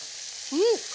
うん！